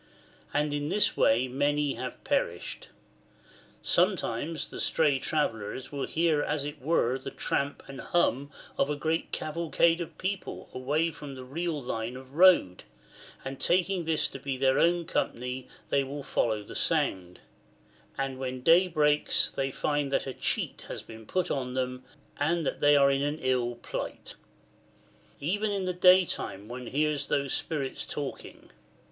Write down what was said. And in this way many have perished. [Sometimes the stray travellers will hear as it were the tramp and hum of a great cavalcade of people away from the real line of road, and taking this to be their own company they will follow the sound ; and when day breaks they find that a cheat has been put on them and that they are in an ill plight."] Even in the day time one hears those spirits talking.